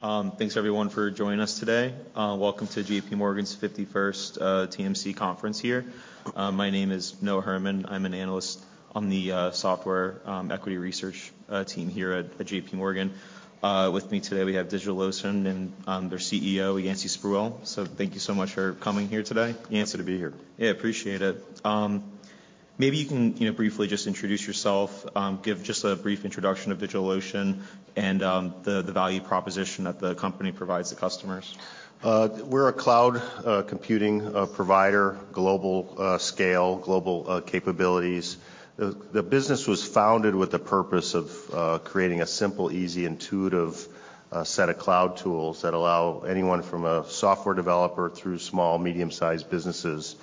Thanks everyone for joining us today. Welcome to JPMorgan's 51st TMC conference here. My name is Noah Herman. I'm an Analyst on the Software Equity Research team here at JPMorgan. With me today we have DigitalOcean and their CEO, Yancey Spruill. Thank you so much for coming here today. Its great to be here. Appreciate it. Maybe you can, you know, briefly just introduce yourself. Give just a brief introduction of DigitalOcean and the value proposition that the company provides the customers. We're a cloud computing provider, global scale, global capabilities. The business was founded with the purpose of creating a simple, easy, intuitive set of cloud tools that allow anyone from a software developer through small and medium-sized businesses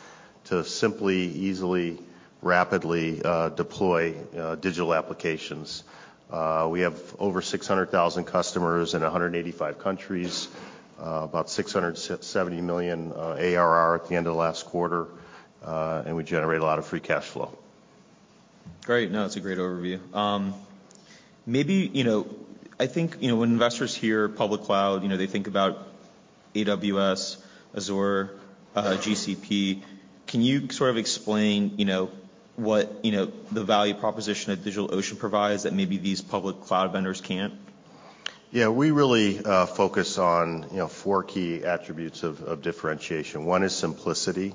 to simply, easily, rapidly deploy digital applications. We have over 600,000 customers in 185 countries, about $670 million ARR at the end of last quarter, and we generate a lot of free cash flow. Great. No, that's a great overview. Maybe, you know, I think, you know, when investors hear public cloud, you know, they think about AWS, Azure, GCP. Can you sort of explain, you know, what, you know, the value proposition that DigitalOcean provides that maybe these public cloud vendors can't? Yeah. We really focus on, you know, four key attributes of differentiation. One is simplicity,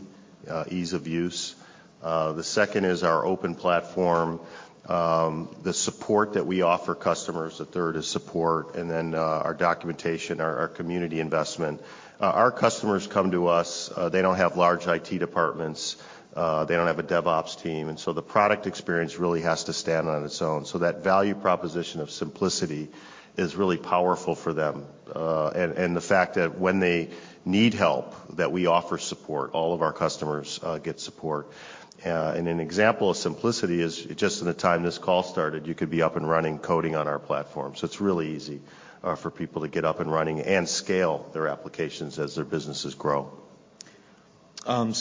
ease of use. The second is our open platform, the support that we offer customers. The third is support. Our documentation, our community investment. Our customers come to us, they don't have large IT departments. They don't have a DevOps team. The product experience really has to stand on its own. That value proposition of simplicity is really powerful for them. And the fact that when they need help, that we offer support. All of our customers get support. An example of simplicity is just in the time this call started, you could be up and running coding on our platform. It's really easy, for people to get up and running and scale their applications as their businesses grow.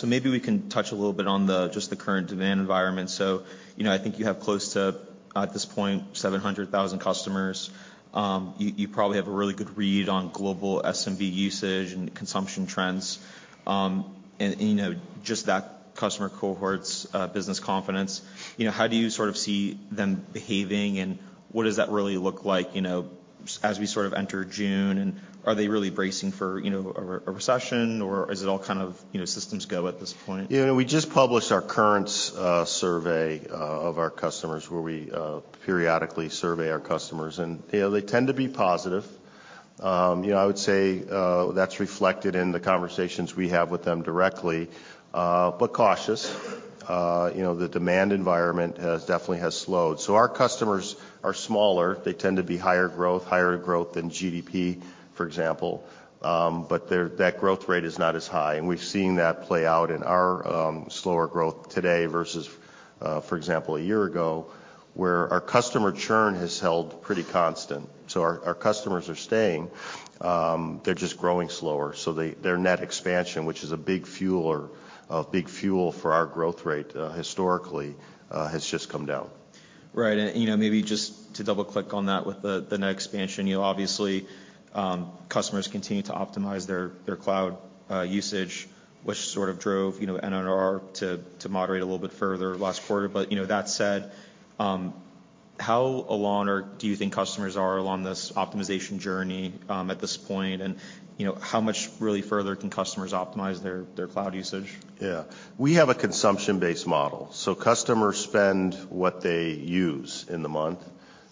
Maybe we can touch a little bit on the, just the current demand environment. You know, I think you have close to, at this point, 700,000 customers. You, you probably have a really good read on global SMB usage and consumption trends. You know, just that customer cohort's business confidence. You know, how do you sort of see them behaving, and what does that really look like, you know, as we sort of enter June? Are they really bracing for, you know, a recession, or is it all kind of, you know, systems go at this point? You know, we just published our current survey of our customers where we periodically survey our customers, and, you know, they tend to be positive. You know, I would say that's reflected in the conversations we have with them directly, but cautious. You know, the demand environment has definitely slowed. Our customers are smaller. They tend to be higher growth than GDP, for example. But that growth rate is not as high, and we've seen that play out in our slower growth today versus, for example, a year ago, where our customer churn has held pretty constant. Our customers are staying, they're just growing slower. Their net expansion, which is a big fueler, a big fuel for our growth rate historically, has just come down. Right. You know, maybe just to double-click on that with the net expansion, you know, obviously, customers continue to optimize their cloud usage, which sort of drove, you know, NNR to moderate a little bit further last quarter. You know, that said, how along or do you think customers are along this optimization journey at this point? You know, how much really further can customers optimize their cloud usage? We have a consumption-based model. Customers spend what they use in the month.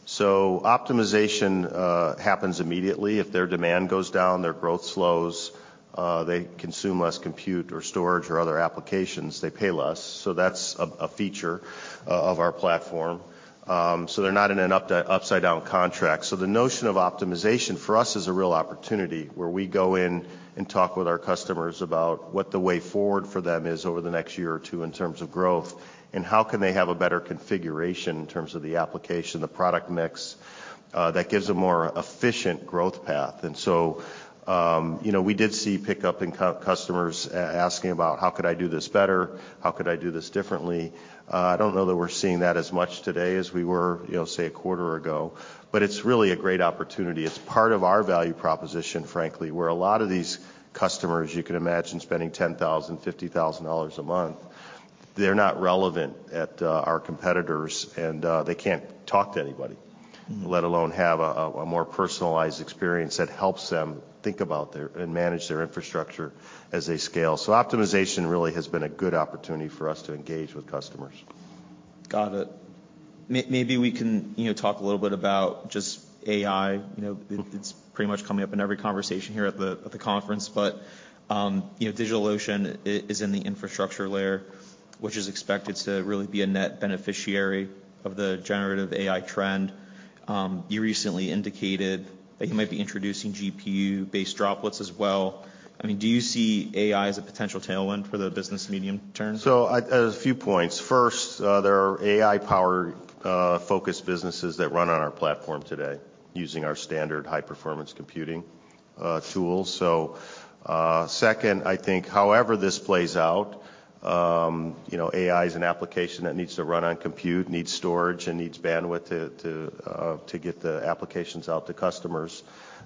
Optimization happens immediately. If their demand goes down, their growth slows, they consume less compute or storage or other applications, they pay less. That's a feature of our platform. They're not in an upside-down contract. The notion of optimization for us is a real opportunity where we go in and talk with our customers about what the way forward for them is over the next year or two in terms of growth, and how can they have a better configuration in terms of the application, the product mix, that gives a more efficient growth path. You know, we did see pickup in customers asking about, "How could I do this better? How could I do this differently?" I don't know that we're seeing that as much today as we were, you know, say, a quarter ago, but it's really a great opportunity. It's part of our value proposition, frankly, where a lot of these customers you can imagine spending $10,000, $50,000 a month, they're not relevant at our competitors, and they can't talk to anybody, Mm-hmm let alone have a more personalized experience that helps them think about their, and manage their infrastructure as they scale. Optimization really has been a good opportunity for us to engage with customers. Got it. Maybe we can, you know, talk a little bit about just AI. Mm-hmm It's pretty much coming up in every conversation here at the conference. You know, DigitalOcean is in the infrastructure layer, which is expected to really be a net beneficiary of the generative AI trend. You recently indicated that you might be introducing GPU-based Droplets as well. I mean, do you see AI as a potential tailwind for the business medium term? A few points. First, there are AI power focused businesses that run on our platform today using our standard high-performance computing tools. Second, I think however this plays out, you know, AI is an application that needs to run on compute, needs storage, and needs bandwidth to get the applications out to customers.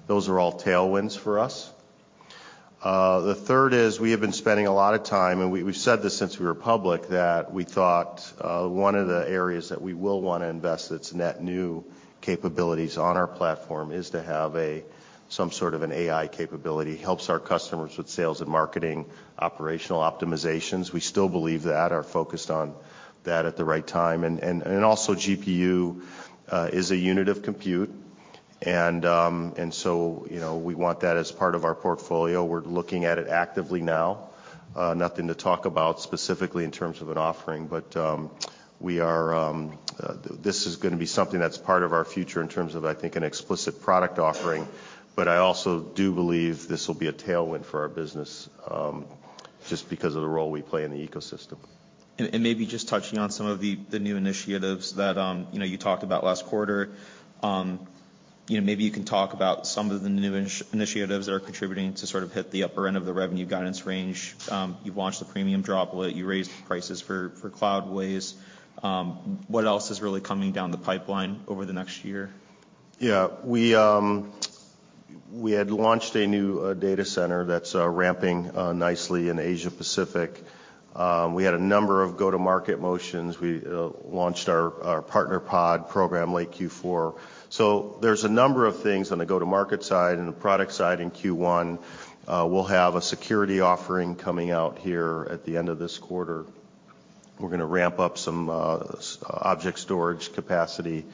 Those are all tailwinds for us. The third is we have been spending a lot of time, and we've said this since we were public, that we thought, one of the areas that we will wanna invest that's net new capabilities on our platform is to have a, some sort of an AI capability. Helps our customers with sales and marketing, operational optimizations. We still believe that, are focused on that at the right time. Also GPU is a unit of compute, and so, you know, we want that as part of our portfolio. We're looking at it actively now. Nothing to talk about specifically in terms of an offering, but we are. This is gonna be something that's part of our future in terms of, I think, an explicit product offering, but I also do believe this will be a tailwind for our business just because of the role we play in the ecosystem. Maybe just touching on some of the new initiatives that, you know, you talked about last quarter. You know, maybe you can talk about some of the new initiatives that are contributing to sort of hit the upper end of the revenue guidance range. You've launched the Premium Droplet. You raised prices for Cloudways. What else is really coming down the pipeline over the next year? Yeah. We had launched a new data center that's ramping nicely in Asia Pacific. We had a number of go-to-market motions. We launched our Partner Pod program late Q4. There's a number of things on the go-to-market side and the product side in Q1. We'll have a security offering coming out here at the end of this quarter. We're gonna ramp up some Object Storage capacity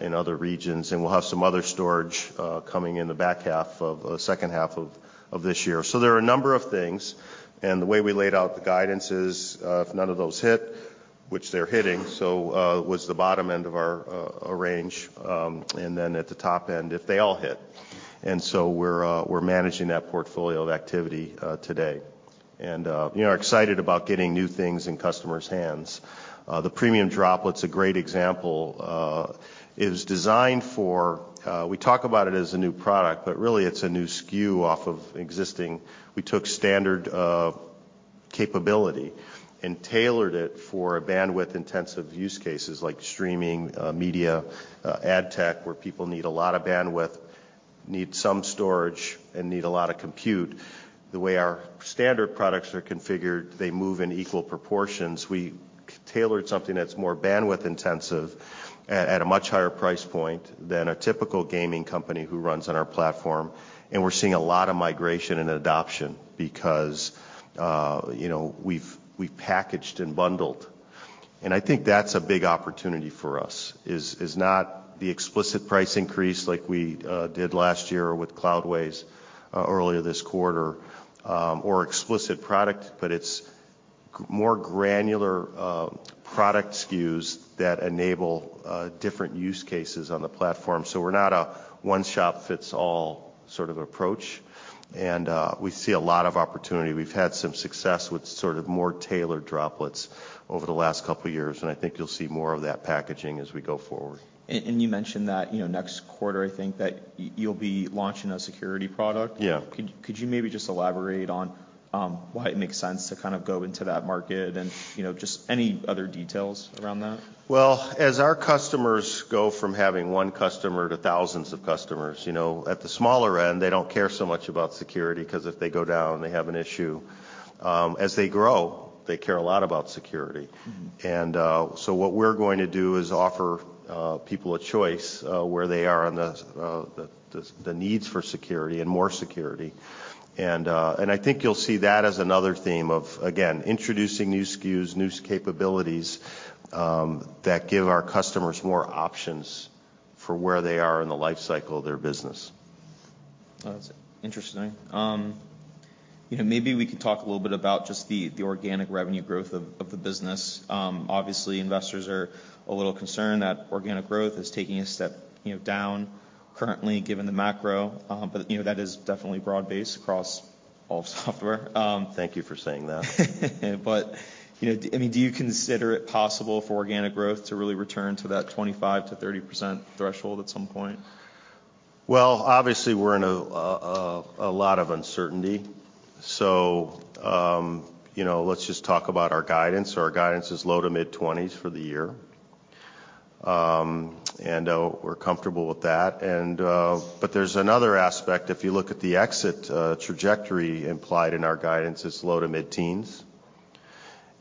in other regions, and we'll have some other storage coming in the back half of the H2 of this year. There are a number of things, and the way we laid out the guidance is, if none of those hit, which they're hitting, was the bottom end of our range, and then at the top end if they all hit. We're managing that portfolio of activity today. You know, are excited about getting new things in customers' hands. The Premium Droplet's a great example. It was designed for. We talk about it as a new product, but really it's a new SKU off of existing. We took standard capability and tailored it for bandwidth-intensive use cases, like streaming media, ad tech, where people need a lot of bandwidth, need some storage, and need a lot of compute. The way our standard products are configured, they move in equal proportions. We tailored something that's more bandwidth intensive at a much higher price point than a typical gaming company who runs on our platform, and we're seeing a lot of migration and adoption because, you know, we've packaged and bundled. I think that's a big opportunity for us, is not the explicit price increase like we did last year or with Cloudways earlier this quarter, or explicit product, but it's more granular product SKUs that enable different use cases on the platform. We're not a one-shop-fits-all sort of approach, and we see a lot of opportunity. We've had some success with sort of more tailored droplets over the last couple years, and I think you'll see more of that packaging as we go forward. You mentioned that, you know, next quarter, I think, that you'll be launching a security product. Yeah. Could you maybe just elaborate on why it makes sense to kind of go into that market and, you know, just any other details around that? As our customers go from having one customer to thousands of customers, you know, at the smaller end, they don't care so much about security, 'cause if they go down, they have an issue. As they grow, they care a lot about security. Mm-hmm. What we're going to do is offer people a choice, where they are on the needs for security and more security. I think you'll see that as another theme of, again, introducing new SKUs, new capabilities, that give our customers more options for where they are in the life cycle of their business. Oh, that's interesting. You know, maybe we could talk a little bit about just the organic revenue growth of the business. Obviously investors are a little concerned that organic growth is taking a step, you know, down currently given the macro. You know, that is definitely broad-based across all of software. Thank you for saying that. You know, I mean, do you consider it possible for organic growth to really return to that 25%-30% threshold at some point? Well, obviously we're in a lot of uncertainty, you know, let's just talk about our guidance. Our guidance is low to mid-20s for the year. We're comfortable with that. There's another aspect. If you look at the exit trajectory implied in our guidance is low to mid-10s,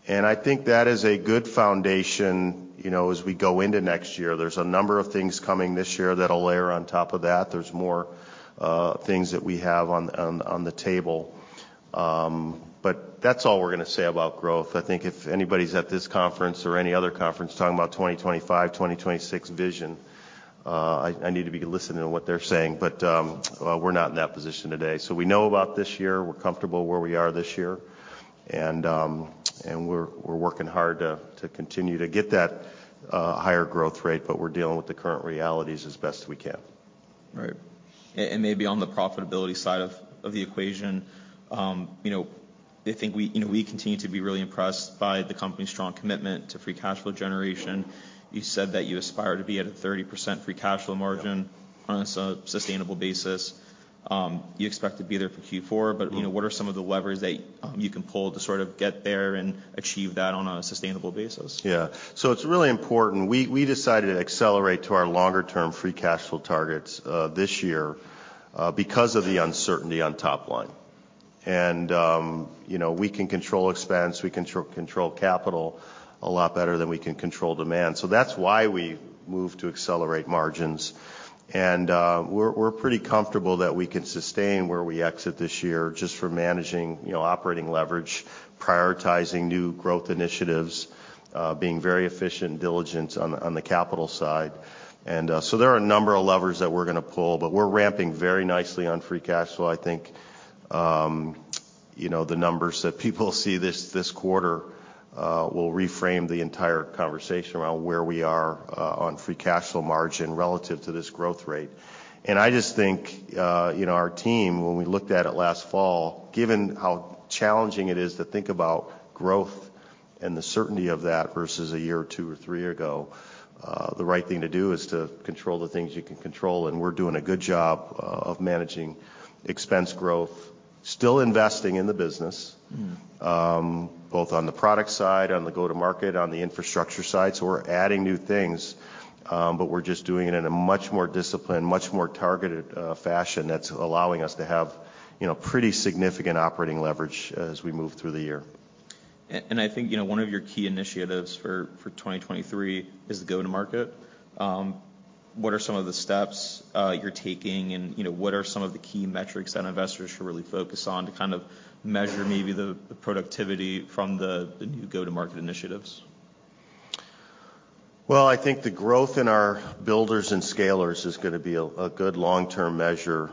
and I think that is a good foundation, you know, as we go into next year. There's a number of things coming this year that'll layer on top of that. There's more things that we have on the table. That's all we're gonna say about growth. I think if anybody's at this conference or any other conference talking about 2025, 2026 vision, I need to be listening to what they're saying. We're not in that position today. We know about this year. We're comfortable where we are this year, and we're working hard to continue to get that higher growth rate, but we're dealing with the current realities as best we can. Right. Maybe on the profitability side of the equation, you know, I think we, you know, we continue to be really impressed by the company's strong commitment to free cash flow generation. You said that you aspire to be at a 30% free cash flow margin. Yeah. on a sustainable basis. You expect to be there for Q4. Mm-hmm. You know, what are some of the levers that you can pull to sort of get there and achieve that on a sustainable basis? Yeah. It's really important. We decided to accelerate to our longer term free cash flow targets this year because of the uncertainty on top line. you know, we can control expense, we can control capital a lot better than we can control demand. That's why we moved to accelerate margins. we're pretty comfortable that we can sustain where we exit this year just from managing, you know, operating leverage, prioritizing new growth initiatives, being very efficient and diligent on the capital side. there are a number of levers that we're gonna pull, but we're ramping very nicely on free cash flow. I think, you know, the numbers that people see this quarter, will reframe the entire conversation around where we are, on free cash flow margin relative to this growth rate. I just think, you know, our team, when we looked at it last fall, given how challenging it is to think about growth and the certainty of that versus a year or two or three ago, the right thing to do is to control the things you can control, and we're doing a good job, of managing expense growth, still investing in the business. Mm-hmm. Both on the product side, on the go-to-market, on the infrastructure side. We're adding new things, but we're just doing it in a much more disciplined, much more targeted fashion that's allowing us to have, you know, pretty significant operating leverage as we move through the year. I think, you know, one of your key initiatives for 2023 is the go-to-market. What are some of the steps you're taking and, you know, what are some of the key metrics that investors should really focus on to kind of measure maybe the productivity from the new go-to-market initiatives? Well, I think the growth in our Builders and Scalers is gonna be a good long-term measure.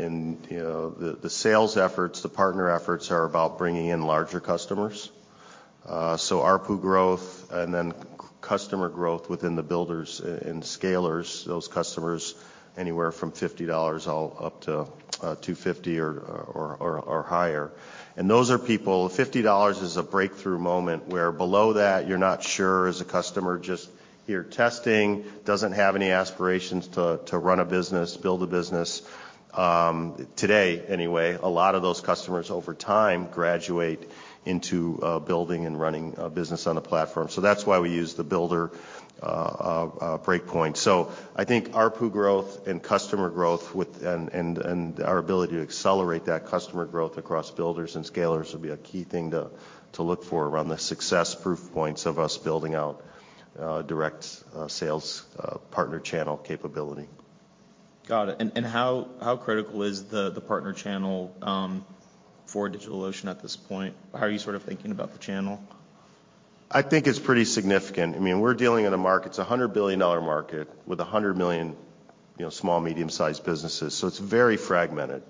You know, the sales efforts, the partner efforts are about bringing in larger customers. ARPU growth and then customer growth within the Builders and Scalers, those customers anywhere from $50 all up to $250 or higher. Those are people... $50 is a breakthrough moment, where below that you're not sure as a customer, just you're testing, doesn't have any aspirations to run a business, build a business. Today anyway, a lot of those customers over time graduate into building and running a business on the platform. That's why we use the builder breakpoint. I think ARPU Growth and Customer Growth with our ability to accelerate that customer growth across Builders and Scalers will be a key thing to look for around the success proof points of us building out a direct sales partner channel capability. Got it. How, how critical is the partner channel for DigitalOcean at this point? How are you sort of thinking about the channel? I think it's pretty significant. I mean, we're dealing in a market, it's a $100 billion market with 100 million small and medium-sized businesses, so it's very fragmented.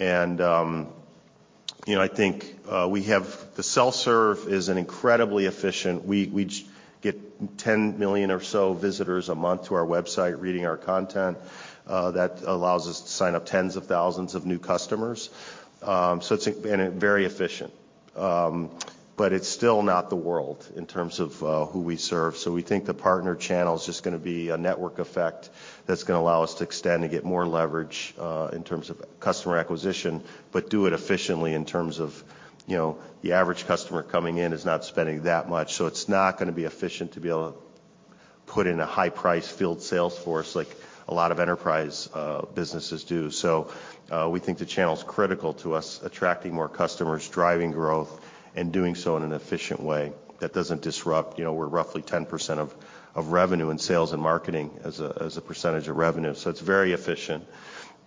You know, I think. The self-serve is an incredibly efficient. We get 10 million or so visitors a month to our website reading our content, that allows us to sign up tens of thousands of new customers. It's been a very efficient. It's still not the world in terms of who we serve. We think the partner channel is just gonna be a network effect that's gonna allow us to extend and get more leverage, in terms of customer acquisition, but do it efficiently in terms of, you know, the average customer coming in is not spending that much. It's not gonna be efficient to be able to put in a high price field sales force like a lot of enterprise businesses do. We think the channel's critical to us attracting more customers, driving growth, and doing so in an efficient way that doesn't disrupt. You know, we're roughly 10% of revenue and sales and marketing as a percentage of revenue, so it's very efficient.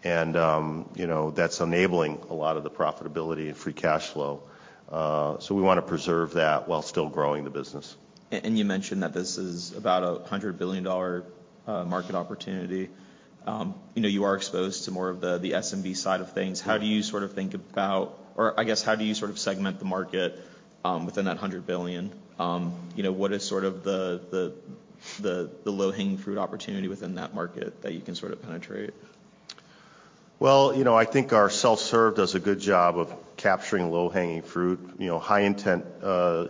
You know, that's enabling a lot of the profitability and free cash flow. We wanna preserve that while still growing the business. You mentioned that this is about a $100 billion market opportunity. You know, you are exposed to more of the SMB side of things. Yeah. How do you sort of segment the market, within that $100 billion? You know, what is sort of the low-hanging fruit opportunity within that market that you can sort of penetrate? Well, you know, I think our self-serve does a good job of capturing low-hanging fruit. You know, high intent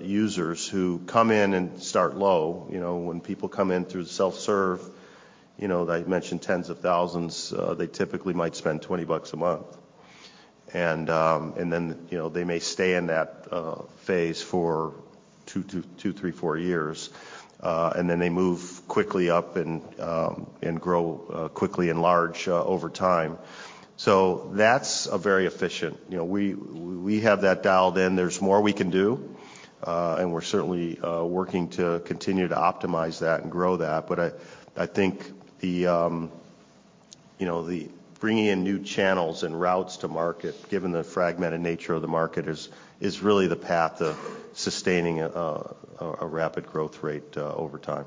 users who come in and start low. You know, when people come in through the self-serve, you know, I mentioned tens of thousands, they typically might spend $20 a month. Then, you know, they may stay in that phase for two to two, three, four years, and then they move quickly up and grow quickly and large over time. That's very efficient. You know, we have that dialed in. There's more we can do, and we're certainly working to continue to optimize that and grow that. I think the, you know, the bringing in new channels and routes to market, given the fragmented nature of the market is really the path of sustaining a rapid growth rate, over time.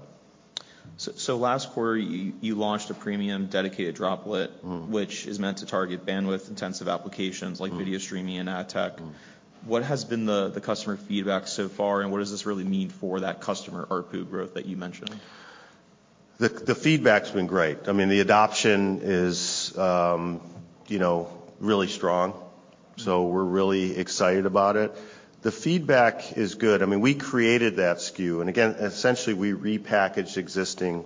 So last quarter, you launched a premium dedicated droplet which is meant to target bandwidth-intensive applications like video streaming and ad tech. Mm-hmm. What has been the customer feedback so far, and what does this really mean for that customer ARPU growth that you mentioned? The feedback's been great. I mean, the adoption is, you know, really strong, so we're really excited about it. The feedback is good. I mean, we created that SKU, and again, essentially, we repackaged existing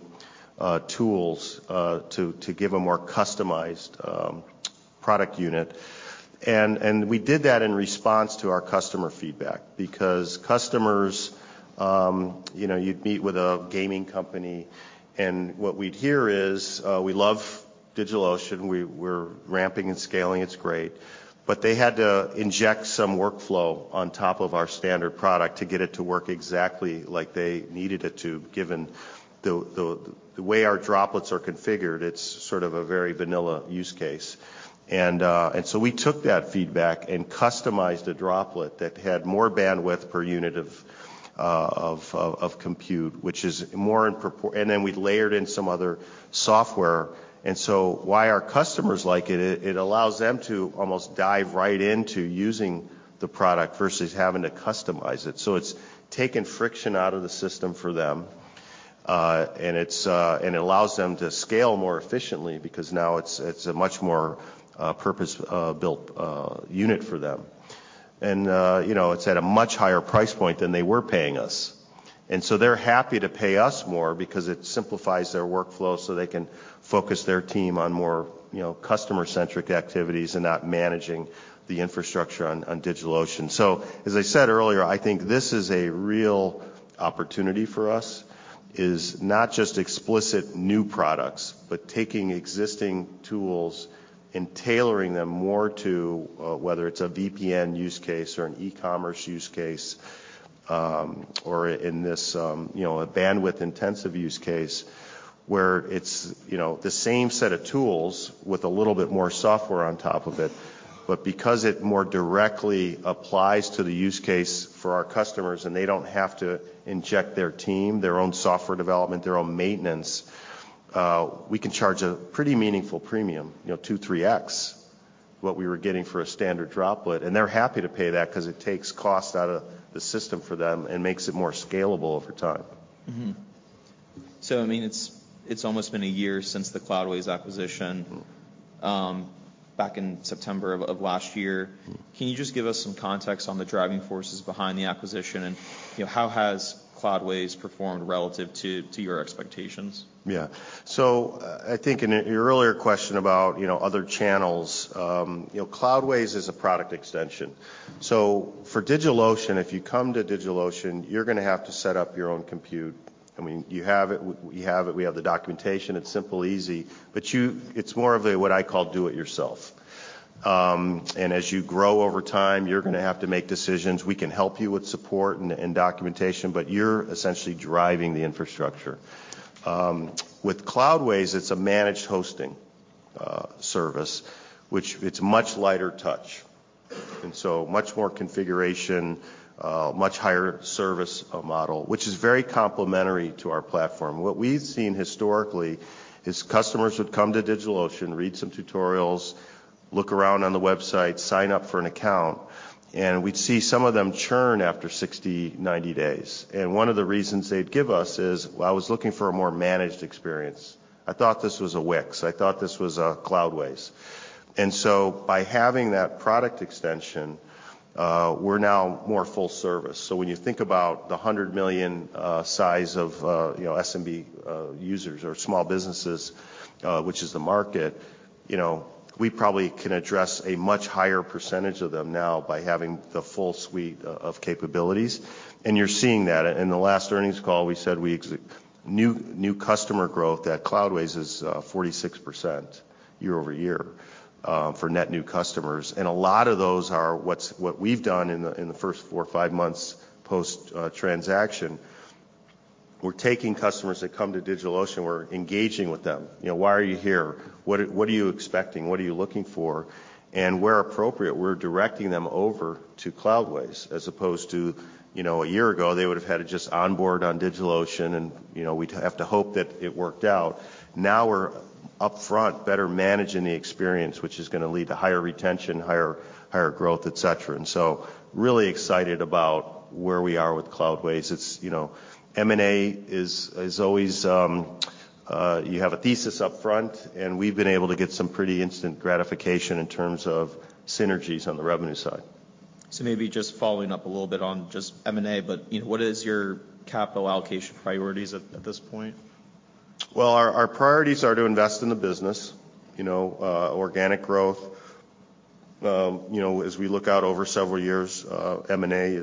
tools to give a more customized product unit. We did that in response to our customer feedback because customers, you know, you'd meet with a gaming company, and what we'd hear is, "We love DigitalOcean. We're ramping and scaling. It's great." They had to inject some workflow on top of our standard product to get it to work exactly like they needed it to, given the way our droplets are configured, it's sort of a very vanilla use case. We took that feedback and customized a Droplet that had more bandwidth per unit of compute, which is more, and then we layered in some other software. Why our customers like it allows them to almost dive right into using the product versus having to customize it. It's taken friction out of the system for them, and it allows them to scale more efficiently because now it's a much more purpose-built unit for them. You know, it's at a much higher price point than they were paying us. They're happy to pay us more because it simplifies their workflow so they can focus their team on more, you know, customer-centric activities and not managing the infrastructure on DigitalOcean. As I said earlier, I think this is a real opportunity for us, is not just explicit new products, but taking existing tools and tailoring them more to, whether it's a VPN use case or an e-commerce use case, or in this, you know, a bandwidth intensive use case, where it's, you know, the same set of tools with a little bit more software on top of it. Because it more directly applies to the use case for our customers and they don't have to inject their team, their own software development, their own maintenance, we can charge a pretty meaningful premium, you know, 2x-3x what we were getting for a standard droplet. They're happy to pay that 'cause it takes cost out of the system for them and makes it more scalable over time. Mm-hmm. I mean, it's almost been a year since the Cloudways acquisition back in September of last year. Mm. Can you just give us some context on the driving forces behind the acquisition and, you know, how has Cloudways performed relative to your expectations? Yeah. I think in your earlier question about, you know, other channels, you know, Cloudways is a product extension. For DigitalOcean, if you come to DigitalOcean, you're gonna have to set up your own compute. I mean, you have it. We have it. We have the documentation. It's simple, easy. You. It's more of a, what I call, do it yourself. As you grow over time, you're gonna have to make decisions. We can help you with support and documentation, but you're essentially driving the infrastructure. With Cloudways, it's a managed hosting service, which it's much lighter touch, and so much more configuration, much higher service model, which is very complementary to our platform. What we've seen historically is customers would come to DigitalOcean, read some tutorials, look around on the website, sign up for an account. We'd see some of them churn after 60, 90 days. One of the reasons they'd give us is, "Well, I was looking for a more managed experience. I thought this was a Wix. I thought this was a Cloudways." By having that product extension, we're now more full service. When you think about the $100 million size of, you know, SMB users or small businesses, which is the market, you know, we probably can address a much higher percentage of them now by having the full suite of capabilities. You're seeing that. In the last earnings call, we said we customer growth at Cloudways is 46% year-over-year for net new customers. A lot of those are what we've done in the four or five months post transaction, we're taking customers that come to DigitalOcean, we're engaging with them. You know, "Why are you here? What are you expecting? What are you looking for?" Where appropriate, we're directing them over to Cloudways as opposed to, you know, a year ago, they would've had to just onboard on DigitalOcean and, you know, we'd have to hope that it worked out. Now we're upfront better managing the experience, which is gonna lead to higher retention, higher growth, et cetera. Really excited about where we are with Cloudways. It's, you know, M&A is always, you have a thesis up front. We've been able to get some pretty instant gratification in terms of synergies on the revenue side. Maybe just following up a little bit on just M&A, but, you know, what is your capital allocation priorities at this point? Well, our priorities are to invest in the business, you know, organic growth. You know, as we look out over several years, M&A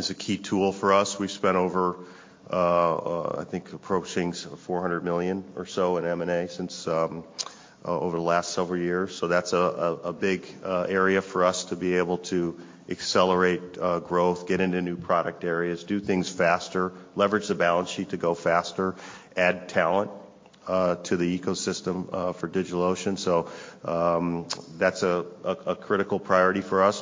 is a key tool for us. We've spent over, I think approaching $400 million or so in M&A since over the last several years. That's a big area for us to be able to accelerate growth, get into new product areas, do things faster, leverage the balance sheet to go faster, add talent to the ecosystem for DigitalOcean.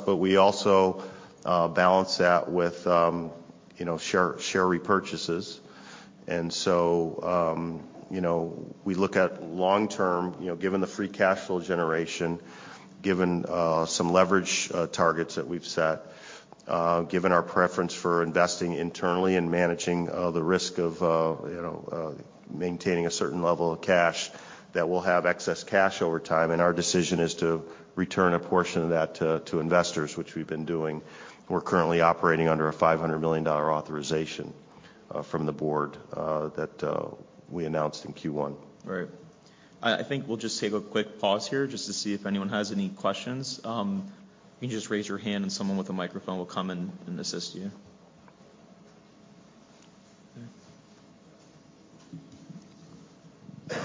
But we also balance that with, you know, share repurchases. You know, we look at long term, you know, given the free cash flow generation, given some leverage targets that we've set, given our preference for investing internally and managing the risk of, you know, maintaining a certain level of cash that we'll have excess cash over time, and our decision is to return a portion of that to investors, which we've been doing. We're currently operating under a $500 million authorization from the Board that we announced in Q1. Right. I think we'll just take a quick pause here just to see if anyone has any questions. You can just raise your hand and someone with a microphone will come and assist you. Okay.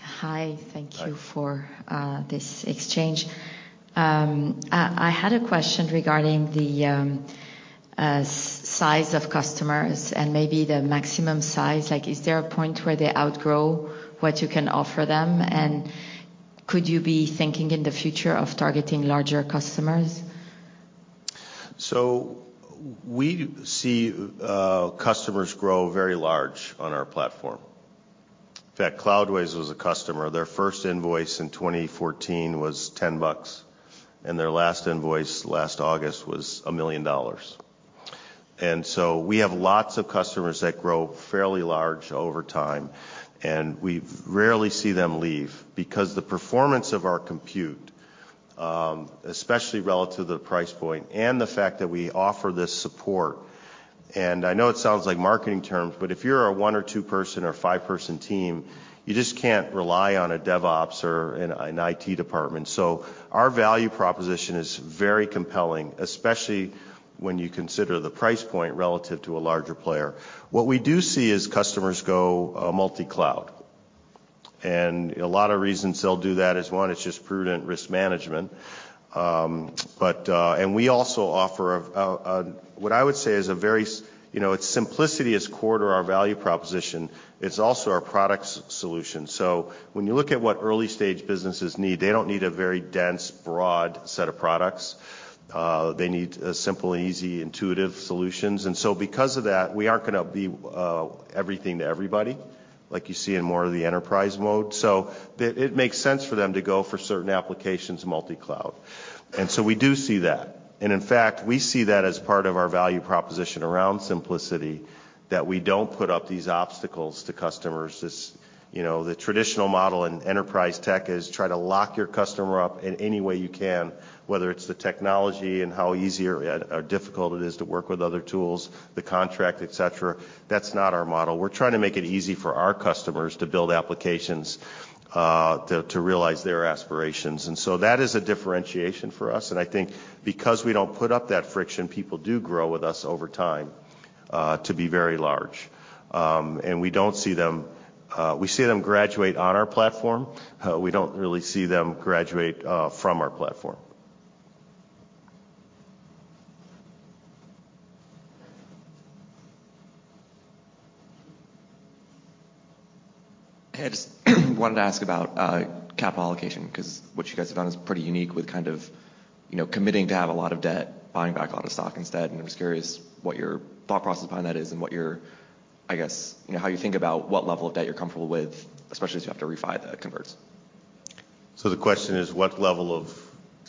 Hi. Hi. Thank you for this exchange. I had a question regarding the size of customers and maybe the maximum size. Like, is there a point where they outgrow what you can offer them? Could you be thinking in the future of targeting larger customers? We see customers grow very large on our platform. In fact, Cloudways was a customer. Their first invoice in 2014 was $10, and their last invoice last August was $1 million. We have lots of customers that grow fairly large over time, and we rarely see them leave because the performance of our compute, especially relative to the price point and the fact that we offer this support, and I know it sounds like marketing terms, but if you're a one or two person or five person team, you just can't rely on a DevOps or an IT department. Our value proposition is very compelling, especially when you consider the price point relative to a larger player. What we do see is customers go multi-cloud. A lot of reasons they'll do that is, one, it's just prudent risk management. We also offer what I would say is a very, you know, simplicity is core to our value proposition. It's also our product solution. When you look at what early-stage businesses need, they don't need a very dense, broad set of products. They need a simple and easy, intuitive solutions. Because of that, we aren't gonna be everything to everybody, like you see in more of the enterprise mode. The, it makes sense for them to go for certain applications multi-cloud. We do see that. In fact, we see that as part of our value proposition around simplicity, that we don't put up these obstacles to customers. This, you know, the traditional model in enterprise tech is try to lock your customer up in any way you can, whether it's the technology and how easy or difficult it is to work with other tools, the contract, et cetera. That's not our model. We're trying to make it easy for our customers to build applications to realize their aspirations. That is a differentiation for us. I think because we don't put up that friction, people do grow with us over time to be very large. We don't see them. We see them graduate on our platform. We don't really see them graduate from our platform. Hey, I just wanted to ask about capital allocation, 'cause what you guys have done is pretty unique with kind of, you know, committing to have a lot of debt, buying back a lot of stock instead. I'm just curious what your thought process behind that is and what your, I guess, you know, how you think about what level of debt you're comfortable with, especially as you have to refi the converts. The question is what level of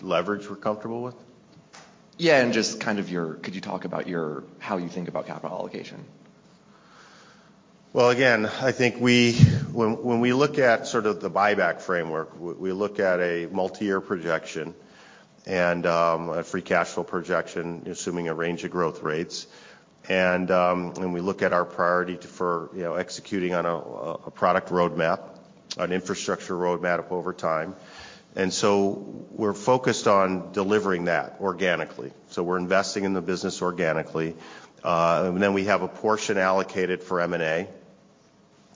leverage we're comfortable with? Yeah. Just kind of your, could you talk about your, how you think about capital allocation? Well, again, I think we, when we look at sort of the buyback framework, we look at a multiyear projection and a free cash flow projection assuming a range of growth rates. We look at our priority to, for, you know, executing on a product roadmap, an infrastructure roadmap over time. We're focused on delivering that organically. We're investing in the business organically. We have a portion allocated for M&A,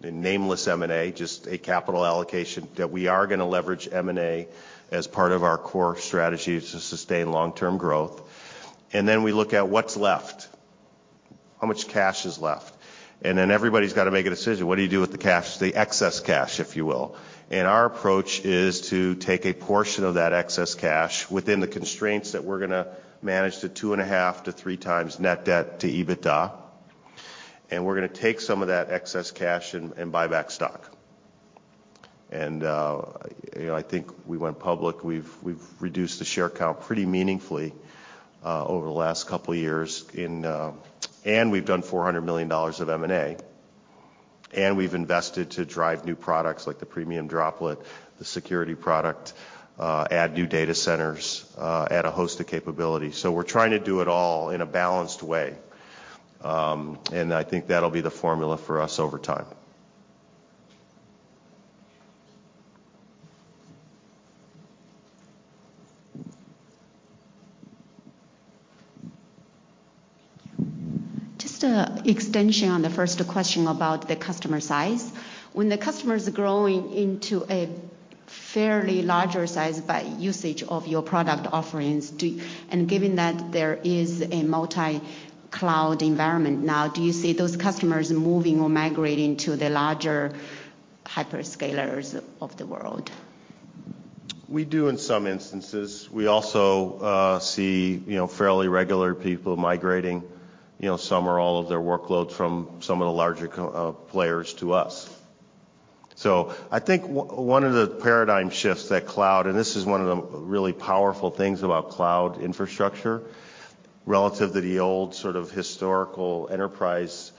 a nameless M&A, just a capital allocation that we are gonna leverage M&A as part of our core strategy to sustain long-term growth. We look at what's left, how much cash is left. Everybody's gotta make a decision. What do you do with the cash, the excess cash, if you will? Our approach is to take a portion of that excess cash within the constraints that we're gonna manage to 2.5x-3x Net-debt to EBITDA, and we're gonna take some of that excess cash and buy back stock. You know, I think we went public. We've reduced the share count pretty meaningfully over the last couple years in. We've done $400 million of M&A, and we've invested to drive new products like the Premium Droplet, the security product, add new data centers, add a host of capabilities. We're trying to do it all in a balanced way. I think that'll be the formula for us over time. Just a extension on the first question about the customer size. When the customer is growing into a fairly larger size by usage of your product offerings, given that there is a multi-cloud environment now, do you see those customers moving or migrating to the larger hyperscalers of the world? We do in some instances. We also see, you know, fairly regular people migrating, you know, some or all of their workloads from some of the larger players to us. I think one of the paradigm shifts that cloud, and this is one of the really powerful things about cloud infrastructure relative to the old sort of historical enterprise,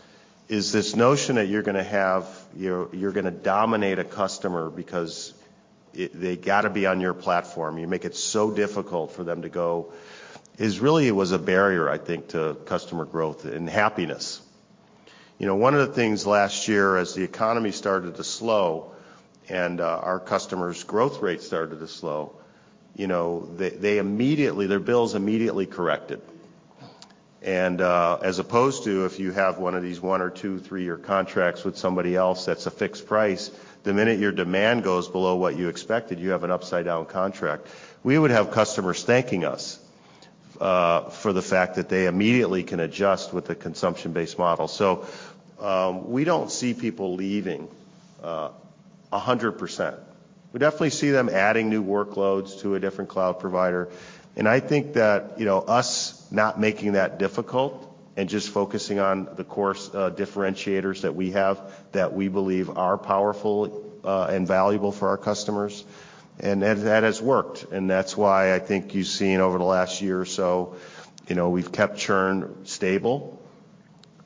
is this notion that you're gonna dominate a customer because they gotta be on your platform. You make it so difficult for them to go, is really was a barrier, I think, to customer growth and happiness. You know, one of the things last year as the economy started to slow and, our customers' growth rate started to slow, you know, they immediately their bills immediately corrected. As opposed to if you have one or two to three year contracts with somebody else that's a fixed price, the minute your demand goes below what you expected, you have an upside-down contract. We would have customers thanking us for the fact that they immediately can adjust with the consumption-based model. We don't see people leaving 100%. We definitely see them adding new workloads to a different cloud provider, and I think that, you know, us not making that difficult and just focusing on the course differentiators that we have that we believe are powerful and valuable for our customers, and that has worked. That's why I think you've seen over the last year or so, you know, we've kept churn stable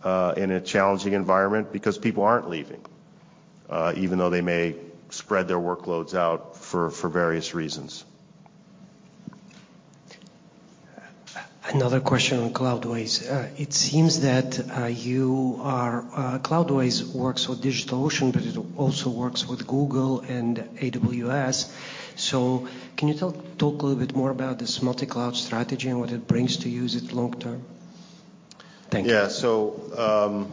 in a challenging environment because people aren't leaving, even though they may spread their workloads out for various reasons. Another question on Cloudways. It seems that Cloudways works with DigitalOcean, but it also works with Google and AWS. Can you talk a little bit more about this multi-cloud strategy and what it brings to you long term? Thank you. Yeah.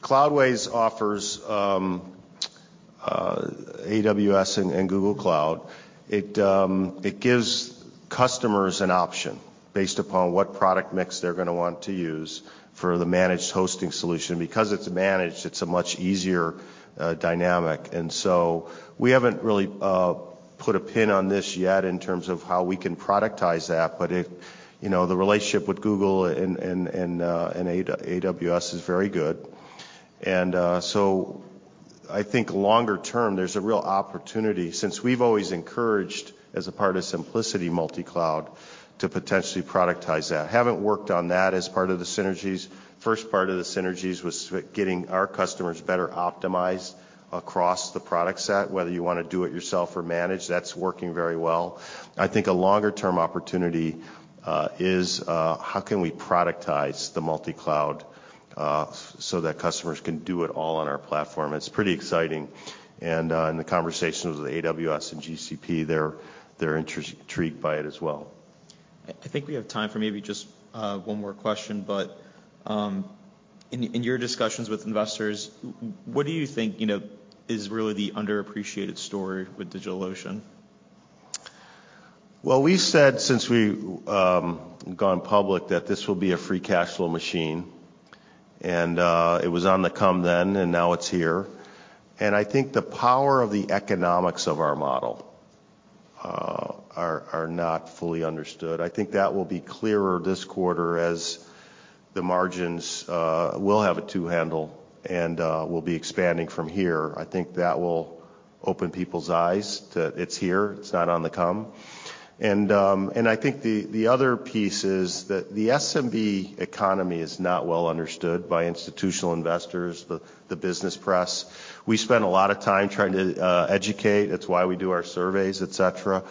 Cloudways offers AWS and Google Cloud. It gives customers an option based upon what product mix they're gonna want to use for the managed hosting solution. Because it's managed, it's a much easier dynamic. We haven't really put a pin on this yet in terms of how we can productize that, but it... You know, the relationship with Google and, and AWS is very good. I think longer term, there's a real opportunity since we've always encouraged as a part of simplicity multi-cloud to potentially productize that. Haven't worked on that as part of the synergies. First part of the synergies was getting our customers better optimized across the product set, whether you wanna do it yourself or managed. That's working very well. I think a longer term opportunity is how can we productize the multi-cloud so that customers can do it all on our platform. It's pretty exciting. In the conversations with AWS and GCP, they're intrigued by it as well. I think we have time for maybe just one more question. In your discussions with investors, what do you think, you know, is really the underappreciated story with DigitalOcean? Well, we've said since we gone public that this will be a free cash flow machine. It was on the come then, and now it's here. I think the power of the economics of our model are not fully understood. I think that will be clearer this quarter as the margins will have a two handle and will be expanding from here. I think that will open people's eyes to it's here, it's not on the come. I think the other piece is that the SMB economy is not well understood by institutional investors, the business press. We spend a lot of time trying to educate. That's why we do our surveys, et cetera.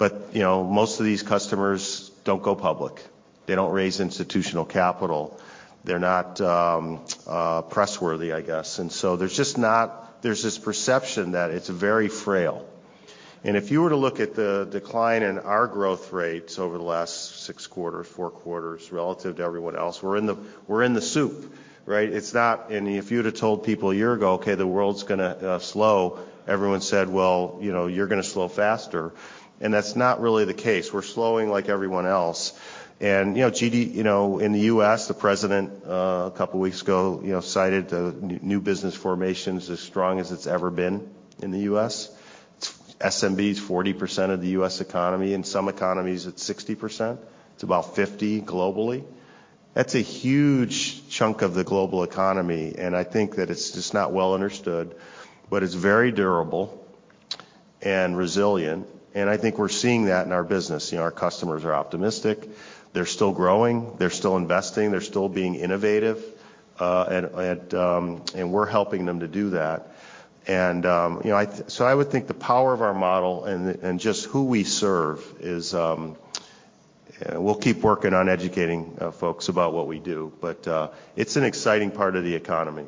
You know, most of these customers don't go public. They don't raise institutional capital. They're not press worthy, I guess. There's just not. There's this perception that it's very frail. If you were to look at the decline in our growth rates over the last six quarters, four quarters, relative to everyone else, we're in the soup, right? If you would've told people a year ago, "Okay, the world's gonna slow," everyone said, "Well, you know, you're gonna slow faster." That's not really the case. We're slowing like everyone else. In the US, the president, a couple weeks ago, you know, cited the new business formation's as strong as it's ever been in the US. SMB is 40% of the US economy. In some economies, it's 60%. It's about 50% globally. That's a huge chunk of the global economy, and I think that it's just not well understood, but it's very durable and resilient, and I think we're seeing that in our business. You know, our customers are optimistic. They're still growing. They're still investing. They're still being innovative. We're helping them to do that. You know, I would think the power of our model and just who we serve is, we'll keep working on educating folks about what we do. It's an exciting part of the economy.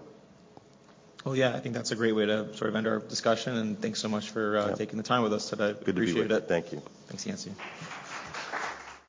Well, yeah, I think that's a great way to sort of end our discussion, and thanks so much for taking the time with us today. Good to be with you. Appreciate it. Thank you. Thanks, Yancey.